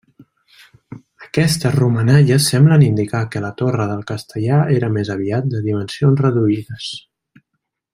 Aquestes romanalles semblen indicar que la torre del Castellar era més aviat de dimensions reduïdes.